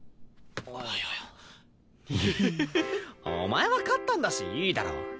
お前は勝ったんだしいいだろう。